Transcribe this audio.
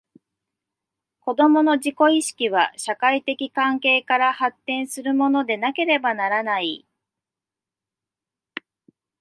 子供の自己意識は、社会的関係から発展するものでなければならない。